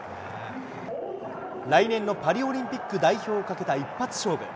来年のパリオリンピック代表をかけた一発勝負。